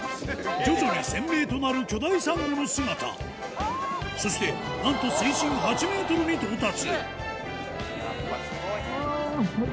徐々に鮮明となる巨大サンゴの姿そしてなんと水深８ｍに到達